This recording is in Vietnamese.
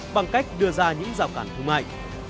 bằng cách đưa ra những rào cản thương mại